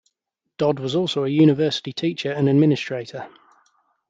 Dodd was also a university teacher and administrator.